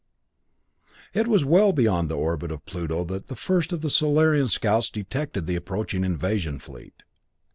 It was well beyond the orbit of Pluto that the first of the Solarian scouts detected the approaching invasion fleet.